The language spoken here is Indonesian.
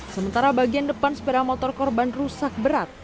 sementara bagian depan sepeda motor korban rusak berat